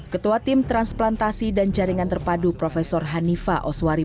ketua tim transplantasi dan jaringan terpadu prof hanifa oswari